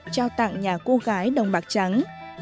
trao tặng nhà cô gái đồng bạc trắng